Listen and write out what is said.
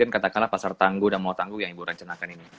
katakanlah pasar tangguh dan mall tangguh yang ibu rencanakan ini